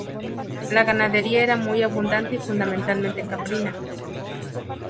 La ganadería era muy abundante y fundamentalmente caprina.